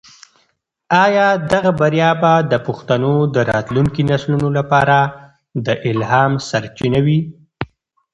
آیا دغه بریا به د پښتنو د راتلونکي نسلونو لپاره د الهام سرچینه وي؟